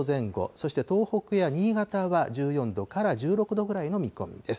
そして、東北や新潟は１４度から１６度ぐらいの見込みです。